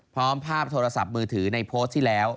ภาพโทรศัพท์มือถือในโพสต์ที่แล้ว